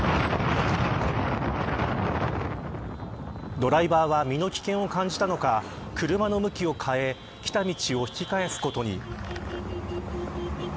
ドライバーは身の危険を感じたのか車の向きを変え、来た道を引き返すことに。